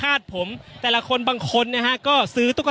อย่างที่บอกไปว่าเรายังยึดในเรื่องของข้อ